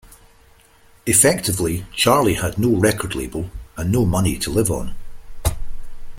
Effectively Charlie had no record label and no money to live on.